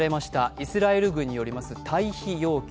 イスラエル軍による退避要求。